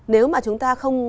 nếu mà chúng ta không